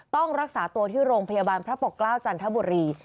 ต้องรักษาตัวที่โรงพยาบาลพระปกเกล้าจันทบุรี